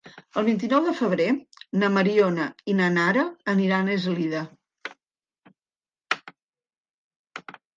El vint-i-nou de febrer na Mariona i na Nara aniran a Eslida.